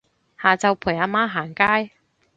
下晝陪阿媽行街